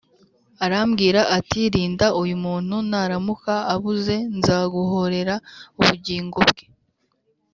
arambwira ati ‘Rinda uyu muntu naramuka abuze nzaguhorera ubugingo bwe